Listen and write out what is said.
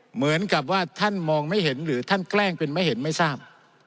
เหมือนกับว่าท่านมองไม่เห็นหรือท่านแกล้งเป็นไม่เห็นไม่ทราบ